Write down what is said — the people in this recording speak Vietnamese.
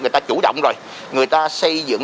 người ta chủ động rồi người ta xây dựng